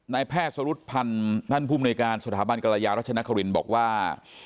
ไม่แพทย์สารุทธทันมงานภูมิในการสถาบันกาลยาราชนครินทร์บอกว่า